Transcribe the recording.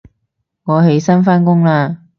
我起身返工喇